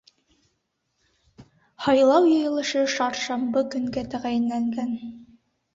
Һайлау йыйылышы шаршамбы көнгә тәғәйенләнгән.